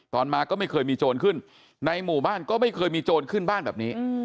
มาก็ไม่เคยมีโจรขึ้นในหมู่บ้านก็ไม่เคยมีโจรขึ้นบ้านแบบนี้